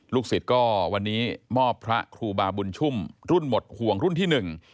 สิทธิ์ก็วันนี้มอบพระครูบาบุญชุ่มรุ่นหมดห่วงรุ่นที่หนึ่ง